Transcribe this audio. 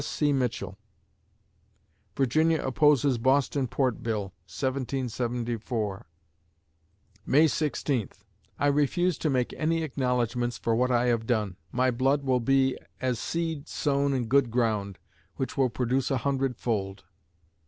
S. C. MITCHELL Virginia opposes Boston Port Bill, 1774 May Sixteenth I refuse to make any acknowledgments for what I have done. My blood will be as seed sown in good ground, which will produce a hundred fold.